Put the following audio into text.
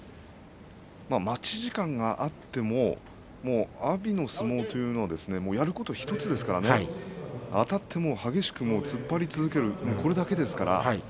待ち時間があっても阿炎の相撲というのはやることは１つですからあたって激しく突っ張り続けるこれだけですから。